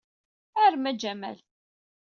Arem a Jamal.